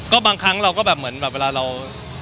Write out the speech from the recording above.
ก็บางครั้งเราก็เหมือนเวลาเรา